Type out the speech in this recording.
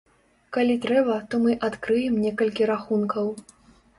Калі трэба, то мы адкрыем некалькі рахункаў.